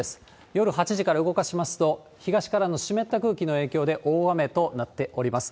夜８時から動かしますと、東からの湿った空気の影響で、大雨となっております。